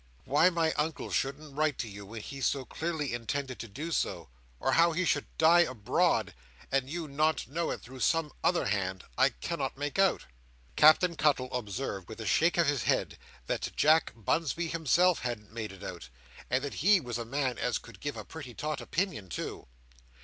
But why my Uncle shouldn't write to you, when he so clearly intended to do so, or how he should die abroad, and you not know it through some other hand, I cannot make out." Captain Cuttle observed, with a shake of his head, that Jack Bunsby himself hadn't made it out, and that he was a man as could give a pretty taut opinion too.